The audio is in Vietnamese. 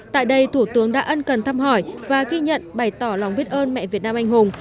tại đây thủ tướng đã ân cần thăm hỏi và ghi nhận bày tỏ lòng biết ơn mẹ việt nam anh hùng